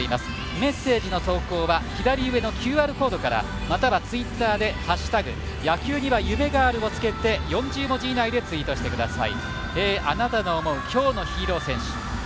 メッセージの募集は左上のＱＲコードからまたはツイッターで「＃野球には夢がある」を付けて４０文字以内でツイートしてください。